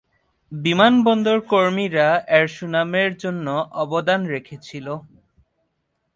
বিমানবন্দর কর্মীরা এর সুনামের জন্য অবদান রেখেছিল।